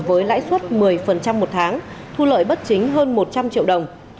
với lãi suất một mươi một tháng thu lợi bất chính hơn một trăm linh triệu đồng